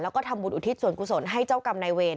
แล้วก็ทำบุญอุทิศส่วนกุศลให้เจ้ากรรมนายเวร